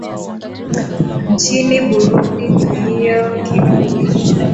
nchini burundi kilio kiko juu